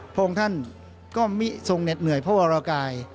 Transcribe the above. พระองค์ท่านก็มิทรงเหน็ดเหนื่อยพระวรกาย